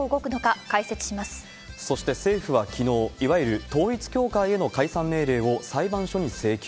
そして、政府はきのう、いわゆる統一教会への解散命令を裁判所に請求。